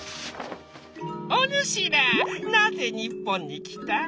「おぬしらなぜ日本に来た？」。